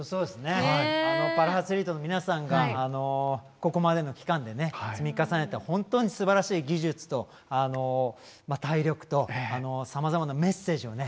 パラアスリートの皆さんがここまでの期間でね、積み重ねた本当にすばらしい技術と体力とさまざまなメッセージをね